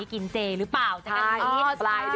ตอนนี้ไปแล้ว